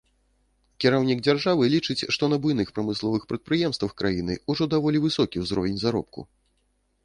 Кіраўнік дзяржавы лічыць, што на буйных прамысловых прадпрыемствах краіны ўжо даволі высокі ўзровень заробку.